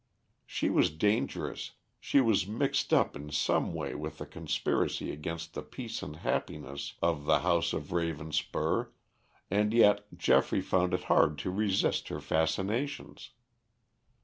She was dangerous, she was mixed up in some way with the conspiracy against the peace and happiness of the house of Ravenspur, and yet Geoffrey found it hard to resist her fascinations.